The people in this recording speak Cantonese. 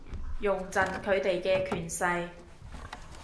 用盡佢哋嘅權勢